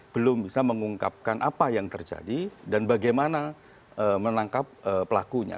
belum bisa mengungkapkan apa yang terjadi dan bagaimana menangkap pelakunya